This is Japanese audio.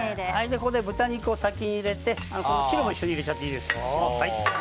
ここで豚肉を先に入れて汁も一緒に入れちゃっていいです。